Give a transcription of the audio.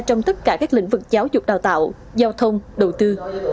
trong tất cả các lĩnh vực giáo dục đào tạo giao thông đầu tư